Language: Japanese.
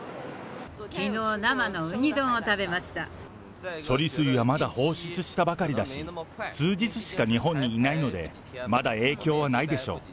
きのう、処理水はまだ放出したばかりだし、数日しか日本にいないので、まだ影響はないでしょう。